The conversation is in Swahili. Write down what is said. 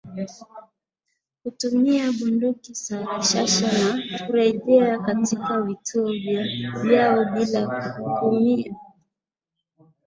kutumia bunduki za rashasha na kurejea katika vituo vyao bila kuumia